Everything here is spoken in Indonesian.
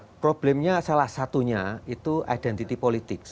nah problemnya salah satunya itu ada kekuatan di asia timur ya